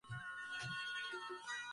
সারাদিন ওই নিয়ে মেতে থাকে সে।